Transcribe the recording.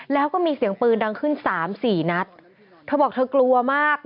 แล้วก็มีเสียงปืนดังขึ้นสามสี่นัดเธอบอกเธอกลัวมาก